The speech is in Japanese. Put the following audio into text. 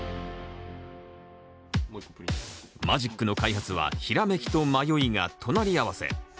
マジックの開発はひらめきと迷いが隣り合わせ。